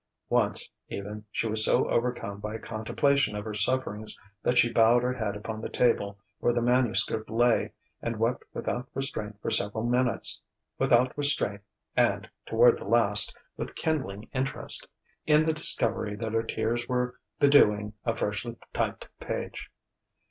Once, even, she was so overcome by contemplation of her sufferings that she bowed her head upon the table where the manuscript lay, and wept without restraint for several minutes without restraint and, toward the last, with kindling interest in the discovery that her tears were bedewing a freshly typed page.